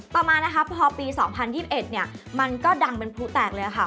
ประมาณพอปี๒๐๒๑มันก็ดังเป็นผู้แตกเลยค่ะ